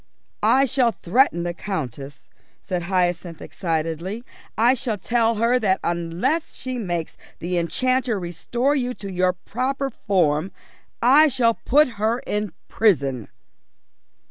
"I shall threaten the Countess," said Hyacinth excitedly. "I shall tell her that unless she makes the enchanter restore you to your proper form, I shall put her in prison."